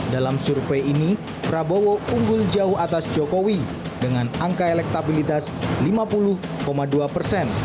dalam survei ini prabowo unggul jauh atas jokowi dengan angka elektabilitas lima puluh dua persen